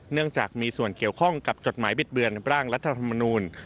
เนื่องจากมีส่วนเกี่ยวข้องกับจดหมายบิดเบือนร่างรัฐธรรมนูล